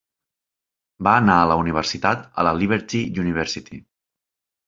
Va anar a la universitat a la Liberty University.